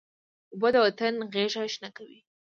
اوبه د وطن غیږه شنه کوي.